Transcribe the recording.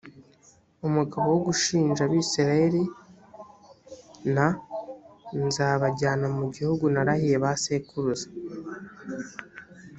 umugabo wo gushinja abisirayeli n nzabajyana mu gihugu narahiye ba sekuruza